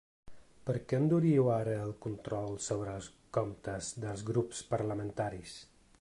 Per què enduriu ara el control sobre els comptes dels grups parlamentaris?